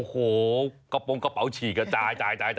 โอ้โหกระโปรงกระเป๋าฉี่กระจาย